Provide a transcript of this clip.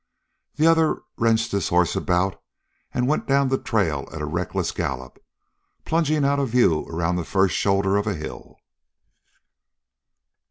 The other wrenched his horse about and went down the trail at a reckless gallop, plunging out of view around the first shoulder of a hill.